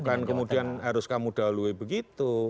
bukan kemudian harus kamu dahului begitu